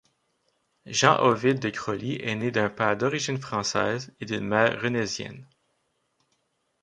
Jean-Ovide Decroly est né d'un père d'origine française et d'une mère renaisienne.